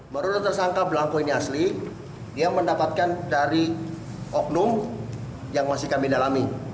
menurut tersangka belangko ini asli dia mendapatkan dari oknum yang masih kami dalami